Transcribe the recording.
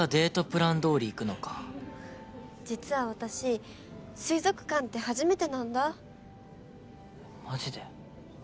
実は私水族館って初めてなんだマジで？